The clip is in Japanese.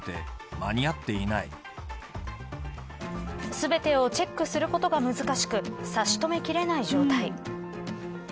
全てをチェックすることが難しく差し止めきれない状態。